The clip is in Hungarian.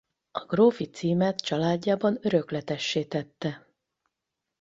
A grófi címet családjában örökletessé tette.